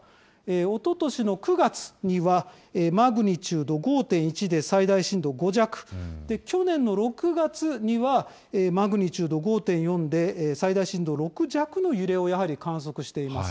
おととしの９月には、マグニチュード５．１で最大震度５弱、去年の６月にはマグニチュード５．４で、最大震度６弱の揺れを、やはり観測しています。